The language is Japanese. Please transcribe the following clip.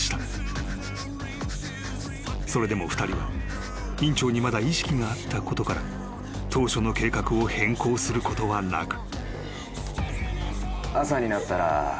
［それでも２人は院長にまだ意識があったことから当初の計画を変更することはなく］